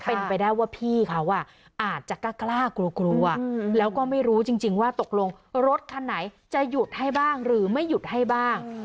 เป็นไปได้ว่าพี่เขาอาจจะกล้ากลัวกลัวแล้วก็ไม่รู้จริงว่าตกลงรถคันไหนจะหยุดให้บ้างหรือไม่หยุดให้บ้าง